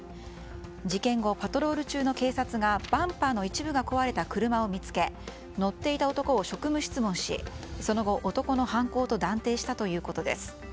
事件後、パトロール中の警察がバンパーの一部が壊れた車を見つけ乗っていた男を職務質問しその後、男の犯行と断定したということです。